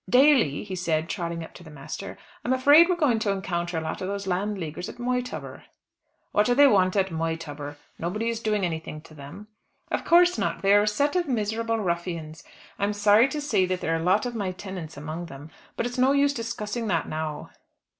"Daly," he said, trotting up to the master, "I'm afraid we're going to encounter a lot of these Landleaguers at Moytubber." "What do they want at Moytubber? Nobody is doing anything to them." "Of course not; they are a set of miserable ruffians. I'm sorry to say that there are a lot of my tenants among them. But it's no use discussing that now."